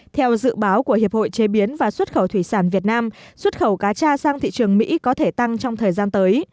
theo dự báo của hiệp hội chế biến và xuất khẩu thủy sản việt nam xuất khẩu cá tra sang thị trường mỹ có thể tăng trong thời gian tới